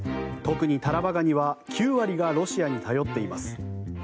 特にタラバガニは９割がロシアに頼っています。